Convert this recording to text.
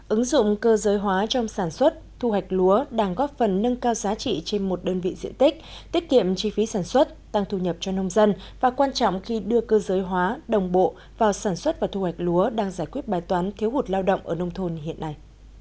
ứng dụng cơ giới hóa trong sản xuất thu hoạch lúa đang góp phần nâng cao giá trị trên một đơn vị diện tích tiết kiệm chi phí sản xuất tăng thu nhập cho nông dân và quan trọng khi đưa cơ giới hóa đồng bộ vào sản xuất và thu hoạch lúa đang giải quyết bài toán thiếu hụt lao động ở nông thôn hiện nay